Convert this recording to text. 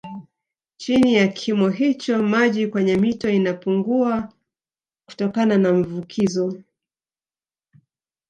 Chini ya kimo hicho maji kwenye mito inapungua kutokana na mvukizo